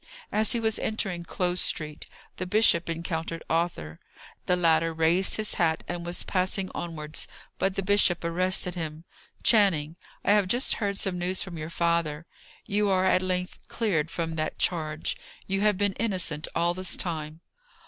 As he was entering Close Street, the bishop encountered Arthur. The latter raised his hat and was passing onwards, but the bishop arrested him. "Channing, I have just heard some news from your father. You are at length cleared from that charge. You have been innocent all this time."